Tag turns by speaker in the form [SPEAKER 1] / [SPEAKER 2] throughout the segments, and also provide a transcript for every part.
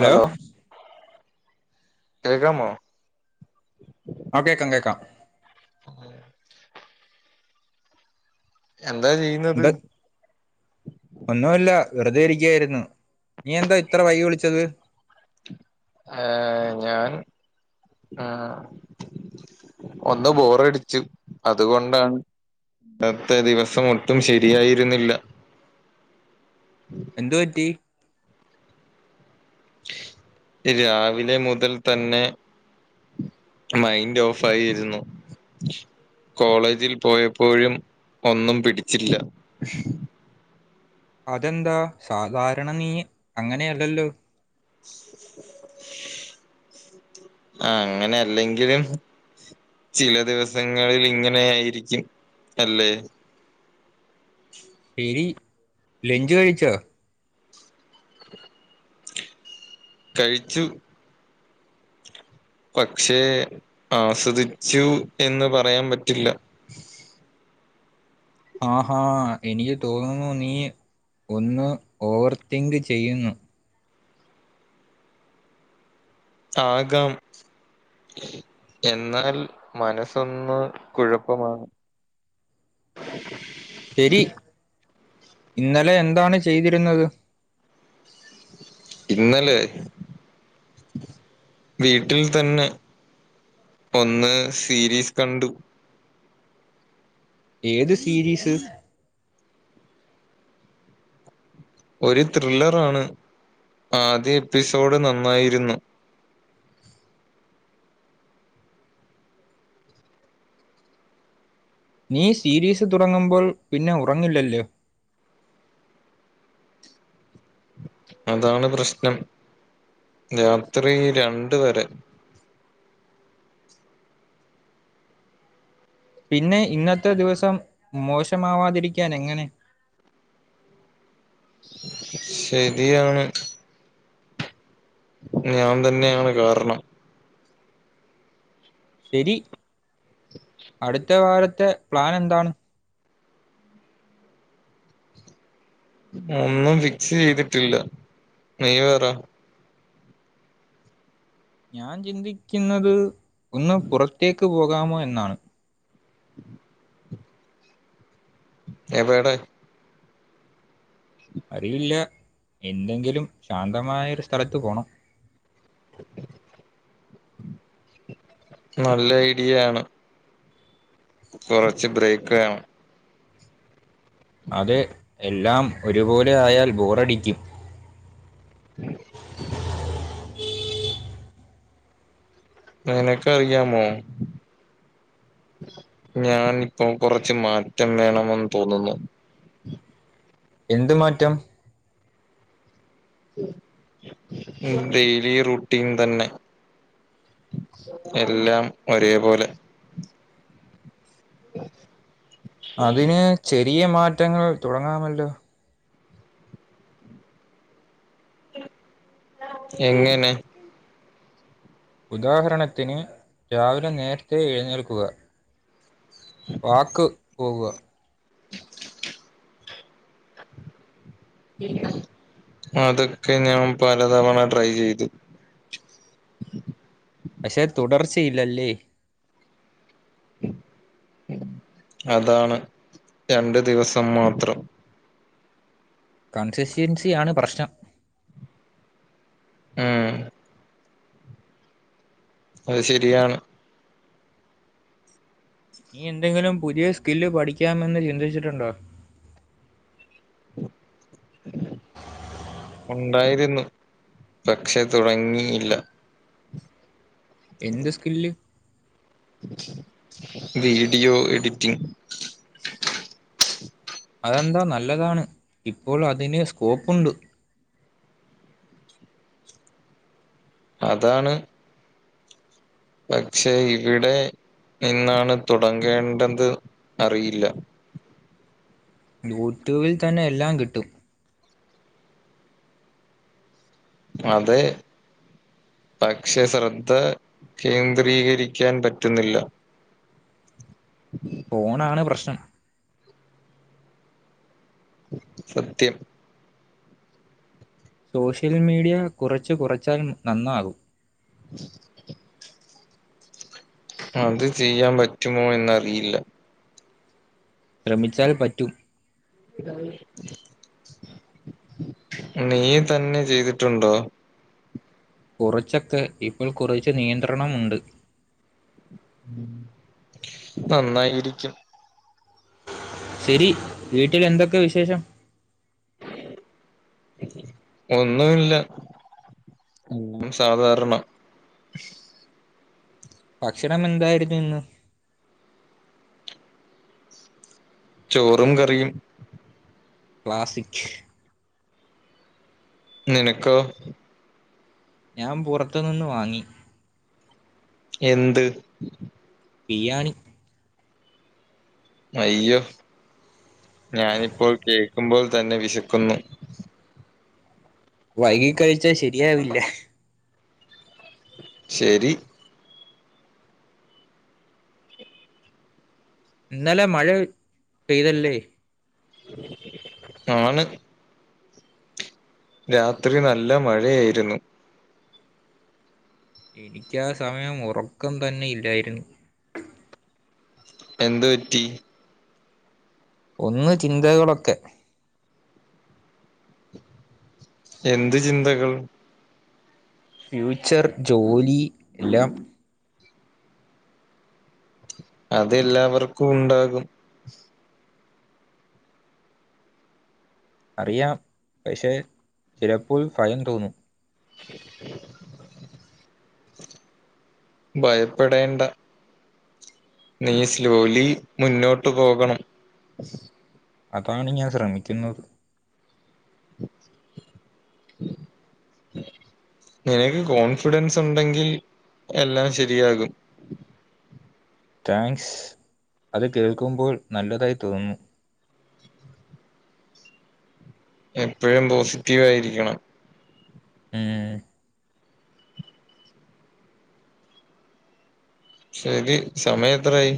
[SPEAKER 1] Hello കേക്കാമോ
[SPEAKER 2] ആ കേക്കാം കേക്കാം
[SPEAKER 1] ആഹ് എന്താ ചെയ്യുന്നത്
[SPEAKER 2] എന്ത് ഒന്നുമില്ല വെർതെ ഇരിക്ക്യായിരുന്നു നീ എന്താ ഇത്ര വൈകി വിളിച്ചത്
[SPEAKER 1] ഏ ഞാൻ ആ ഒന്ന് ബോറടിച്ചു അതുകൊണ്ടാണ് ഇന്നത്തെ ദിവസം ഒട്ടും ശരിയായിരുന്നില്ല
[SPEAKER 2] എന്തു പറ്റി
[SPEAKER 1] രാവിലെ മുതൽ തന്നെ മൈൻഡ് ഓഫാ ആയിരുന്നു കോളേജിൽ പോയപ്പോഴും ഒന്നും പിടിച്ചില്ല
[SPEAKER 2] അതെന്താ സാധാരണ നീ അങ്ങനെയല്ലല്ലോ
[SPEAKER 1] അങ്ങനെ അല്ലെങ്കിലും ചില ദിവസങ്ങളിൽ ഇങ്ങനെ ആയിരിക്കും അല്ലേ ഉം
[SPEAKER 2] ശരി ലെഞ്ച് കഴിച്ചോ
[SPEAKER 1] കഴിച്ചു പക്ഷേ ആസ്വദിച്ചു എന്ന് പറയാം പറ്റില്ല
[SPEAKER 2] ആഹാ എനിക്ക് തോന്നുന്നു നീ ഒന്ന് ഓവർ തിങ്ക് ചെയ്യുന്നു
[SPEAKER 1] ആകാം എന്നാൽ മനസ്സൊന്ന് കുഴപ്പമാണ്
[SPEAKER 2] ശരി ഇന്നലെ എന്താണ് ചെയ്തിരുന്നത്
[SPEAKER 1] ഇന്നലെ വീട്ടിൽ തന്നെ ഒന്ന് സീരീസ് കണ്ടു
[SPEAKER 2] ഏത് സീരീസ്
[SPEAKER 1] ഒരു ത്രില്ലറാണ് ആദ്യ എപ്പിസോഡ് നന്നായിരുന്നു
[SPEAKER 2] നീ സീരീസ് തുടങ്ങുമ്പോൾ പിന്നെ ഉറങ്ങില്ലല്ലോ
[SPEAKER 1] അതാണ് പ്രശ്നം രാത്രി രണ്ട് വരെ
[SPEAKER 2] പിന്നെ ഇന്നത്തെ ദിവസം മോശമാവാതിരിക്കാൻ എങ്ങനെ
[SPEAKER 1] ശരിയാണ് ഞാൻ തന്നെയാണ് കാരണം
[SPEAKER 2] ശരി അടുത്ത കാലത്തെ പ്ലാൻ എന്താണ്
[SPEAKER 1] ഒന്നും ഫിക്സ് ചെയ്തിട്ടില്ല നീ പറ
[SPEAKER 2] ഞാൻ ചിന്തിക്കുന്നത് ഒന്ന് പുറത്തേക്ക് പോകാമോ എന്നാണ്
[SPEAKER 1] എവടെ
[SPEAKER 2] അറിയില്ല എന്തെങ്കിലും ശാന്തമായൊരു സ്ഥലത്ത് പോണം
[SPEAKER 1] നല്ല ഐഡിയ ആണ് കുറച്ച് ബ്രേക്ക് വേണം
[SPEAKER 2] അതെ എല്ലാം ഒരുപോലെ ആയാൽ ബോറടിക്കും
[SPEAKER 1] [inaudible] നിനക്ക് അറിയാമോ ഞാൻ ഇപ്പോ കുറച്ച് മാറ്റം വേണമെന്ന് തോന്നുന്നു
[SPEAKER 2] എന്ത് മാറ്റം
[SPEAKER 1] ഉം ഡെയിലി റൂട്ടീൻ തന്നെ എല്ലാം ഒരേപോലെ [inaudible]
[SPEAKER 2] അതിന് ചെറിയ മാറ്റങ്ങൾ തുടങ്ങാമല്ലോ
[SPEAKER 1] എങ്ങനെ
[SPEAKER 2] ഉദാഹരണത്തിന് രാവിലെ നേരത്തെ എഴുന്നേൽക്കുക പാർക്ക് പോവുക
[SPEAKER 1] അതൊക്കെ ഞാൻ പലതവണ ട്രൈ ചെയ്തു
[SPEAKER 2] പക്ഷെ തുടർച്ചയില്ലല്ലേ
[SPEAKER 1] അതാണ് രണ്ടു ദിവസം മാത്രം
[SPEAKER 2] കൺസിസ്റ്റ്യുവൻസി ആണ് പ്രശ്നം
[SPEAKER 1] ഉം അത് ശരിയാണ്
[SPEAKER 2] നീ എന്തെങ്കിലും പുതിയ സ്കില്ല് പഠിക്കാമെന്ന് ചിന്തിച്ചിട്ടുണ്ടോ
[SPEAKER 1] [inaudible] ഉണ്ടായിരുന്നു പക്ഷെ തുടങ്ങിയില്ല
[SPEAKER 2] എന്ത് സ്കില്ല്
[SPEAKER 1] വീഡിയോ എഡിറ്റിംഗ്
[SPEAKER 2] അതെന്താ നല്ലതാണ് ഇപ്പോൾ അതിന് സ്കോപ്പുണ്ട്
[SPEAKER 1] അതാണ് പക്ഷേ എവിടെ നിന്നാണ് തുടങ്ങേണ്ടത് അറിയില്ല
[SPEAKER 2] യൂട്യൂബിൽ തന്നെ എല്ലാം കിട്ടും
[SPEAKER 1] അതെ പക്ഷെ ശ്രദ്ധ കേന്ദ്രീകരിക്കാൻ പറ്റുന്നില്ല [inaudible]
[SPEAKER 2] ഫോണാണ് പ്രശ്നം
[SPEAKER 1] സത്യം
[SPEAKER 2] സോഷ്യൽ മീഡിയ കുറച്ചു കുറച്ചാലും നന്നാകും
[SPEAKER 1] അത് ചെയ്യാൻ പറ്റുമോ എന്നറിയില്ല
[SPEAKER 2] ശ്രമിച്ചാൽ പറ്റും
[SPEAKER 1] നീ തന്നെ ചെയ്തിട്ടുണ്ടോ
[SPEAKER 2] കുറച്ചൊക്കെ ഇപ്പോൾ കുറച്ച് നിയന്ത്രണംമുണ്ട്
[SPEAKER 1] നന്നായിരിക്കും
[SPEAKER 2] ശരി വീട്ടിൽ എന്തൊക്കെ വിശേഷം
[SPEAKER 1] ഒന്നുല്ല സാധാരണ
[SPEAKER 2] ഭക്ഷണം എന്തായിരുന്നുന്ന്
[SPEAKER 1] ചോറും കറിയും
[SPEAKER 2] ക്ലാസിക്
[SPEAKER 1] നിനക്കോ
[SPEAKER 2] ഞാൻ പോറത്തു നിന്ന് വാങ്ങി
[SPEAKER 1] എന്ത്
[SPEAKER 2] ബിരിയാണി
[SPEAKER 1] അയ്യോ ഞാനിപ്പോ കേൾക്കുമ്പോൾ തന്നെ വിശക്കുന്നു
[SPEAKER 2] വൈകി കഴിച്ചാ ശരിയാവില്ല
[SPEAKER 1] ശരി
[SPEAKER 2] ഇന്നലെ മഴ പെയ്തല്ലേ
[SPEAKER 1] ആണ് രാത്രി നല്ല മഴയായിരുന്നു
[SPEAKER 2] എനിക്കാ സമയം ഉറക്കം തന്നെ ഇല്ലായിരുന്നു
[SPEAKER 1] എന്ത് പറ്റി
[SPEAKER 2] ഒന്ന് ചിന്തകളൊക്കെ
[SPEAKER 1] എന്ത് ചിന്തകൾ
[SPEAKER 2] ഫ്യൂച്ചർ ജോലി എല്ലാം
[SPEAKER 1] അതെല്ലാവർക്കും ഉണ്ടാകും
[SPEAKER 2] അറിയാം പക്ഷേ ചിലപ്പോൾ ഭയം തോന്നും
[SPEAKER 1] ഭയപ്പെടേണ്ട നീ സ്ലോലി മുന്നോട്ട് പോകണം
[SPEAKER 2] അതാണ് ഞാൻ ശ്രമിക്കുന്നത്
[SPEAKER 1] നിനക്ക് കോൺഫിഡൻസ് ഉണ്ടെങ്കിൽ എല്ലാം ശരിയാകും
[SPEAKER 2] താങ്ക്സ് അത് കേൾക്കുമ്പോൾ നല്ലതായി തോന്നും
[SPEAKER 1] എപ്പോഴും പോസിറ്റീവായിരിക്കണം
[SPEAKER 2] ഏഹ്
[SPEAKER 1] ശരി സമയം എത്രായി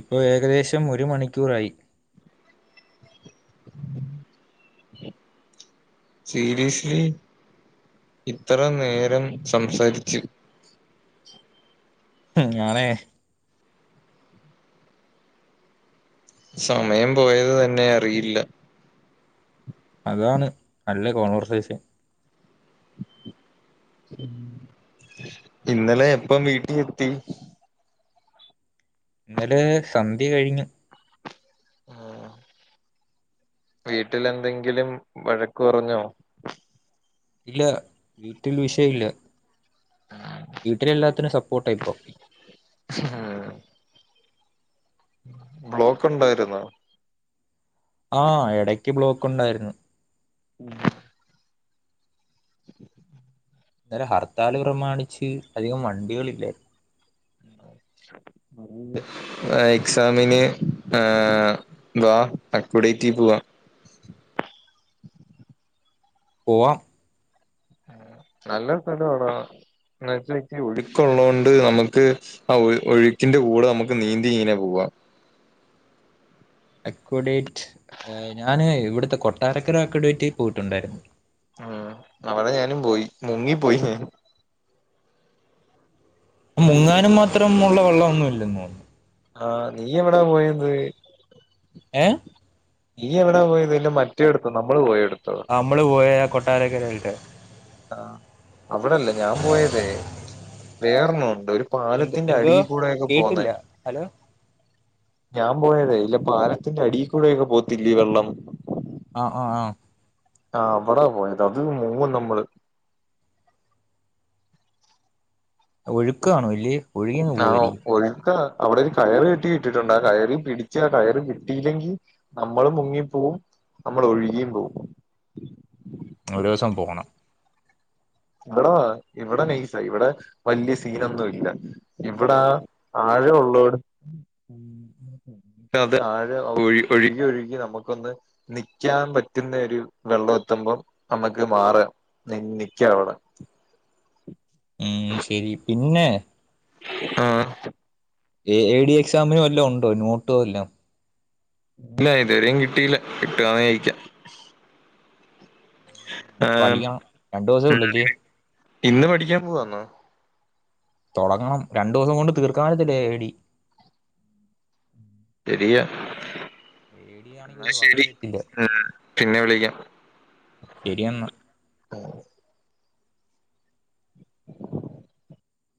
[SPEAKER 2] ഇപ്പോ ഏകദേശം ഒരു മണിക്കൂറായി
[SPEAKER 1] സീരീയസ്ലി ഇത്ര നേരം സംസാരിച്ചു
[SPEAKER 2] ഉം ഞാനെ
[SPEAKER 1] സമയം പോയത് തന്നെ അറിയില്ല
[SPEAKER 2] അതാണ് നല്ല കോൺവെർസേഷൻ
[SPEAKER 1] ഇന്നലെ എപ്പം വീട്ടിലെത്തി
[SPEAKER 2] ഇന്നലെ സന്ധ്യ കഴിഞ്ഞു
[SPEAKER 1] ആഹ് വീട്ടില് എന്തെങ്കിലും വഴക്ക് പറഞ്ഞോ
[SPEAKER 2] ഇല്ല വീട്ടിൽ വിഷയവില്ല, വീട്ടിൽ എല്ലാത്തിനും സപ്പോർട്ടാ ഇപ്പൊ
[SPEAKER 1] ആഹ് ബ്ലോക്ക് ഒണ്ടായിരുന്നൊ
[SPEAKER 2] ആഹ് എടയ്ക്ക് ബ്ലോക്ക് ഒണ്ടായിരുന്നു
[SPEAKER 1] ഉം [inaudible] [inaudible]
[SPEAKER 2] ഇന്നലെ ഹർത്താല് പ്രമാണിച്ച് അധികം വണ്ടികളില്ലായിരുന്നു
[SPEAKER 1] അതെ എക്സാമിന് വാ അക്കുഡേറ്റി പോവാ
[SPEAKER 2] പോകാം
[SPEAKER 1] നല്ല സ്ഥലവാടാ എന്ന് വച്ചാ ഒഴുക്ക് ഉള്ളോണ്ട് നമുക്ക്- ആ ഒഴുക്കിന്റെ കൂടെ നമുക്ക് നീന്തി ഇങ്ങനെ പോവാ.
[SPEAKER 2] അക്കുഡേറ്റ് ഞാന് ഇവിടുത്തെ കൊട്ടാരക്കര അക്കുഡേറ്റി പോയിട്ടുണ്ടായിരുന്നു
[SPEAKER 1] ഉം അവിടെ ഞാനും പോയി മുങ്ങിപ്പോയി.
[SPEAKER 2] മുങ്ങാനും മാത്രം ഉള്ള വെള്ളമൊന്നും ഒന്നുമില്ലന്ന് തോനുന്നു
[SPEAKER 1] ആഹ് നീ എവിടാ പോയത്
[SPEAKER 2] ഏഹ്
[SPEAKER 1] നീ എവിടാ പോയത്, മറ്റേ എടുത്തു നമ്മള് പോയ എടുത്തോ
[SPEAKER 2] നമ്മള് പോയത് കൊട്ടാരക്കരയില്
[SPEAKER 1] ആ അവിടെല്ലേ ഞാൻ പോയതേ വേറെന്നുണ്ട് ഒരു
[SPEAKER 2] എന്ത്
[SPEAKER 1] പാലത്തിന്റെ
[SPEAKER 2] എന്തോ
[SPEAKER 1] അടിയിൽ കൂടെയൊക്കെ പോന്നേ
[SPEAKER 2] കേട്ടില്ല ഹലോ
[SPEAKER 1] ഞാൻ പോയതേ ഇല്ല പാലത്തിന്റെ അടിൽ കൂടൊക്കെ പോകത്തില്ലേ വെള്ളം
[SPEAKER 2] ആഹ് ആഹ് ആഹ്
[SPEAKER 1] ആ അവിടാ പോയത് അത് മൂന്നും നമ്മള്-
[SPEAKER 2] ഒഴുക്കാണ് വലിയ-
[SPEAKER 1] ആഹ ഒഴുക്ക അവിടെ ഒരു കയറ് കെട്ടി ഇട്ടിട്ടുണ്ട് ആ കയറി പിടിച്ച ആ കയറ് കിട്ടിയില്ലെങ്കിൽ- നമ്മള് മുങ്ങി പോവും, നമ്മള് ഒഴുകിയും പോവും.
[SPEAKER 2] ഒരു ദെവസം പോണം
[SPEAKER 1] ഇവിടെ ഇവിടെ നൈസാ ഇവിടെ വലിയ സീനൊന്നും ഇല്ല ഇവിടെ ആഴ ഉള്ള അത് ആഴം, ഒഴുകി ഒഴുകി നമുക്കൊന്ന്- നിക്കാൻ പറ്റുന്ന ഒരു വെള്ളം എത്തുമ്പം നമ്മുക്ക് മാറാം നിക്കാം അവിടെ
[SPEAKER 2] ഉം ശരി പിന്നെ-
[SPEAKER 1] ആഹ
[SPEAKER 2] എ എ ഡി എക്സാമിനും വല്ലോം ഒണ്ടോ നോട്ട് വല്ലോം
[SPEAKER 1] ഇല്ല ഇതുവരെയും കിട്ടിയില്ല, കിട്ടുവാനേ അയക്കാം ആ
[SPEAKER 2] അത് പഠിക്കണം രണ്ടു ദിവസേ ഉള്ളില്ലേ
[SPEAKER 1] ഇന്ന് പഠിക്കാൻ പോവാന്നോ
[SPEAKER 2] തോടങ്ങണം രണ്ടു ദെവസം കൊണ്ട് തീർക്കാൻ
[SPEAKER 1] ശരിയാ
[SPEAKER 2] എ ഡി ആണെങ്കിൽ
[SPEAKER 1] എന്നാ
[SPEAKER 2] ഒരു വക
[SPEAKER 1] ശരി
[SPEAKER 2] അറിയത്തില്ല
[SPEAKER 1] ഉം പിന്നെ വിളിക്കാം
[SPEAKER 2] ശെരി എന്നാ